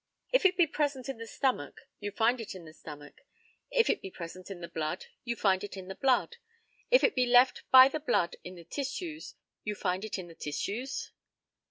If it be present in the stomach, you find it in the stomach; if it be present in the blood, you find it in the blood; if it be left by the blood in the tissues, you find it in the tissues?